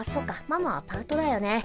ママはパートだよね。